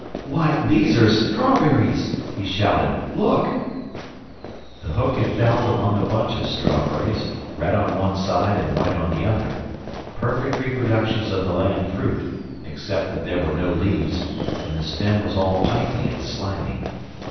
"Why, these are strawberries!" he shouted. "Look!" The hook had fouled among a bunch of strawberries, red on one side and white on the other perfect reproductions of the land fruit, except that there were no leaves, and the stem was all pipy and slimy.